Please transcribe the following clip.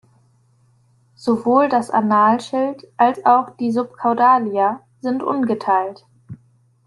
Sowohl das Analschild als auch die Subcaudalia sind ungeteilt.